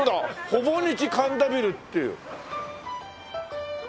「ほぼ日神田ビル」っていう。